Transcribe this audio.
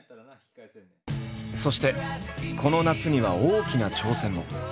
そしてこの夏には大きな挑戦も。